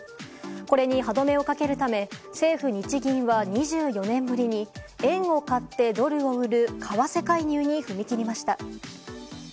これに歯止めをかけるため政府・日銀は２４年ぶりに円を買ってドルを売る為替介入に踏み切りました。